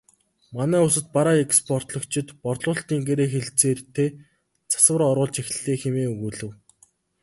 Манай улсад бараа экспортлогчид борлуулалтын гэрээ хэлэлцээртээ засвар оруулж эхэллээ хэмээн өгүүлэв.